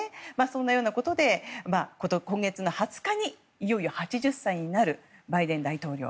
そんなようなことで今月の２０日にいよいよ８０歳になるバイデン大統領。